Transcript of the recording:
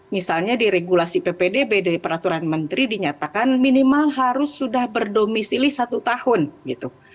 misalnya di regulasi ppdb dari peraturan menteri dinyatakan minimal harus sudah berdomisili satu tahun gitu